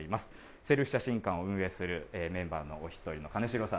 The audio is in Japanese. セルフ写真館を運営するメンバーのお一人でございます、金城さん